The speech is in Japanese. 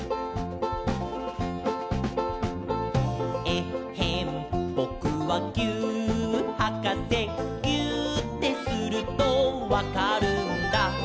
「えっへんぼくはぎゅーっはかせ」「ぎゅーってするとわかるんだ」